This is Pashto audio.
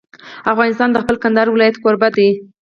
افغانستان د خپل کندهار ولایت کوربه دی.